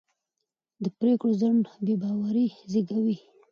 د پرېکړو ځنډ بې باوري زېږوي